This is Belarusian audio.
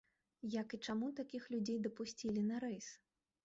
Як і чаму такіх людзей дапусцілі на рэйс?